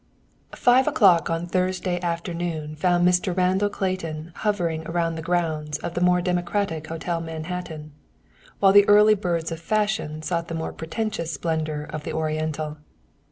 Five o'clock on Thursday afternoon found Mr. Randall Clayton hovering around the grounds of the more democratic Hotel Manhattan, while the early birds of fashion sought the more pretentious splendor of the Oriental.